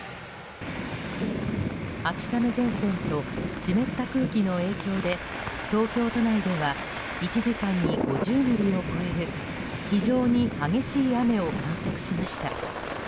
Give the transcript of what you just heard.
秋雨前線と湿った空気の影響で東京都内では１時間に５０ミリを超える非常に激しい雨を観測しました。